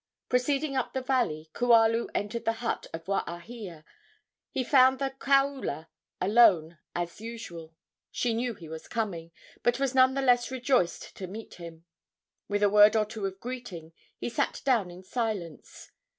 Proceeding up the valley, Kualu entered the hut of Waahia. He found the kaula alone, as usual. She knew he was coming, but was none the less rejoiced to meet him. With a word or two of greeting he sat down in silence.